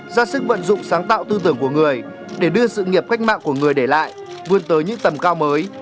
ra sức vận dụng sáng tạo tư tưởng của người để đưa sự nghiệp cách mạng của người để lại vươn tới những tầm cao mới